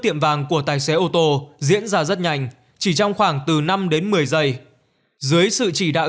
tiệm vàng của tài xế ô tô diễn ra rất nhanh chỉ trong khoảng từ năm đến một mươi giây dưới sự chỉ đạo